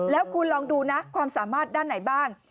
แล้วคุณลองดูนะความสามารถด้านไหนบ้าง